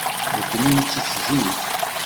Nekkni nettett zik.